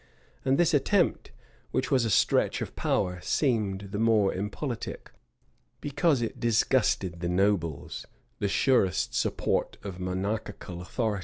And this attempt, which was a stretch of power, seemed the more impolitic, because it disgusted the nobles, the surest support of monarchical authority.